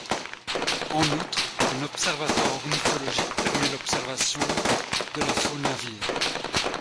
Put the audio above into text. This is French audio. En outre, un observatoire ornithologique permet l'observation de la faune aviaire.